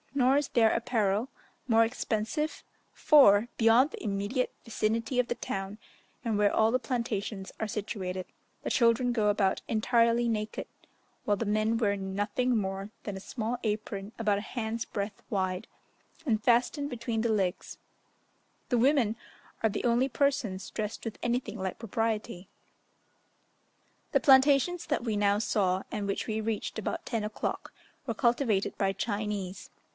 Nor is their apparel more expensive; for, beyond the immediate vicinity of the town, and where all the plantations are situated, the children go about entirely naked, while the men wear nothing more than a small apron about a hand's breadth wide, and fastened between the legs: the women are the only persons dressed with anything like propriety. The plantations that we now saw, and which we reached about 10 o'clock, were cultivated by Chinese.